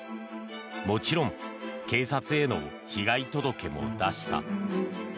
もちろん警察への被害届けも出した。